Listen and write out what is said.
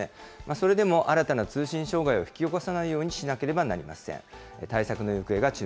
それでも新たな通信障害を引き起こさないようにしなければなりません。